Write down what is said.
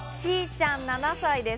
ちーちゃん７歳です。